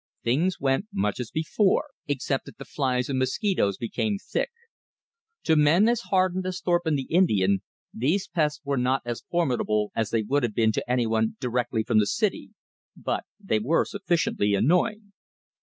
Things went much as before, except that the flies and mosquitoes became thick. To men as hardened as Thorpe and the Indian, these pests were not as formidable as they would have been to anyone directly from the city, but they were sufficiently annoying.